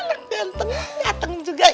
anak ganteng ganteng juga